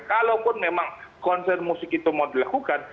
kalaupun memang konser musik itu mau dilakukan